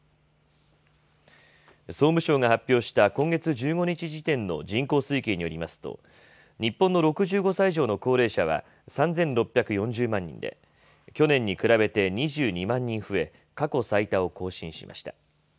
総務省が発表した今月１５日時点の人口推計によりますと、日本の６５歳以上の高齢者は３６４０万人で、去年に比べて２２万人増え、過去最多を更新しました。